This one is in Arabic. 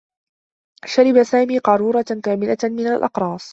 شرب سامي قارورة كاملة من الأقراص.